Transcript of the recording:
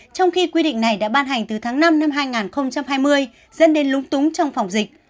trong khi quy định này đã ban hành từ tháng năm năm hai nghìn hai mươi dẫn đến lúng túng trong phòng dịch